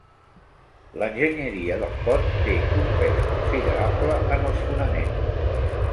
L'enginyeria del pont té un pes considerable en els fonaments.